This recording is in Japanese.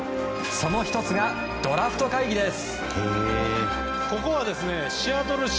その１つがドラフト会議です。